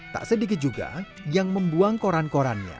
tak sedikit juga yang membuang koran korannya